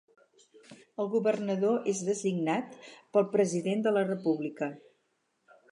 El governador és designat pel president de la república.